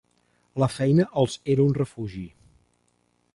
La feina els era un refugi.